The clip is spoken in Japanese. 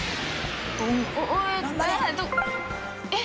えっ。